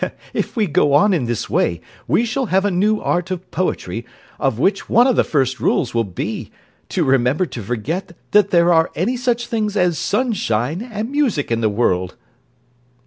If we go on in this way, we shall have a new art of poetry, of which one of the first rules will be: To remember to forget that there are any such things as sunshine and music in the world.